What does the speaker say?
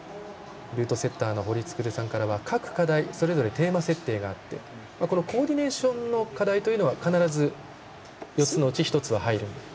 ルートセッターの堀創さんからは各課題、それぞれテーマ設定があってこのコーディネーションの設定というのは必ず、４つのうち１つは入ると。